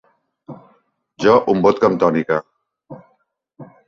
Jo un vodka amb tònica.